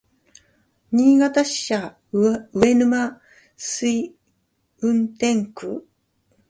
新潟支社上沼垂運転区